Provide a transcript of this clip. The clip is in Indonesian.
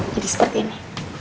jadi seperti ini